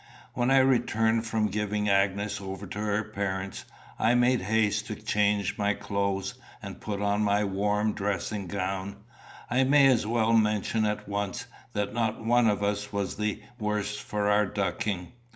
When I returned from giving Agnes over to her parents, I made haste to change my clothes, and put on my warm dressing gown. I may as well mention at once, that not one of us was the worse for our ducking.